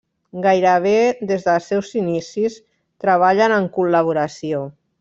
Gairebé des dels seus inicis treballen en col·laboració.